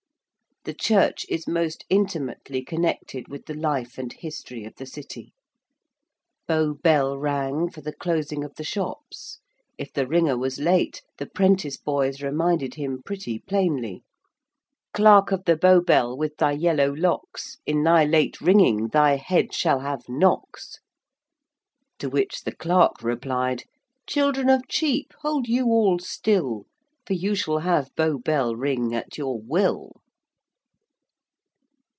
The church is most intimately connected with the life and history of the City. Bow Bell rang for the closing of the shops. If the ringer was late the prentice boys reminded him pretty plainly. 'Clarke of the Bow Bell with thy yellow lockes: In thy late ringing, thy head shall have knockes.' To which the clerk replied: 'Children of Chepe, hold you all stille: For you shall have Bow Bell ring at your will.'